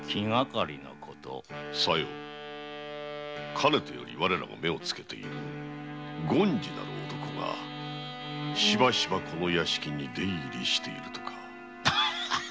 かねてより我らが目をつけている権次なる男がしばしばこの屋敷に出入りしているとか？